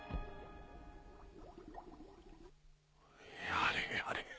やれやれ。